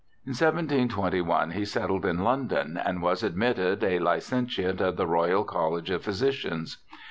In 1721 he settled in London, and was admitted a Licentiate of the Royal College of Physicians.